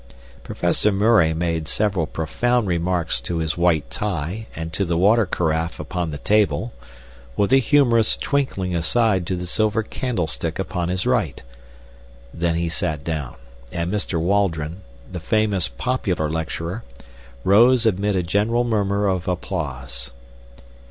Professor Murray made several profound remarks to his white tie and to the water carafe upon the table, with a humorous, twinkling aside to the silver candlestick upon his right. Then he sat down, and Mr. Waldron, the famous popular lecturer, rose amid a general murmur of applause.